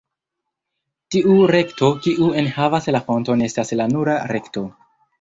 Tiu rekto kiu enhavas la fonton estas la "nula" rekto.